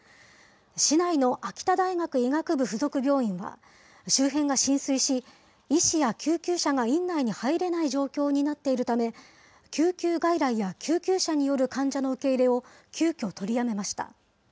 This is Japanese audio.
市内の秋田大学医学部附属病院は、周辺が浸水し、医師や救急車が院内に入れない状況になっているため、救急外来や救急車による患者の受け入れを急きょ取りやめました。